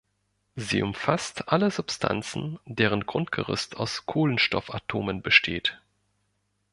Sie umfasst alle Substanzen, deren Grundgerüst aus Kohlenstoffatomen besteht.